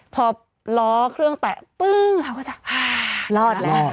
พอล้อเครื่องแตะปึ้งเราก็จะรอดแล้ว